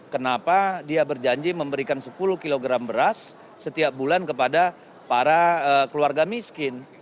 kenapa dia berjanji memberikan sepuluh kg beras setiap bulan kepada para keluarga miskin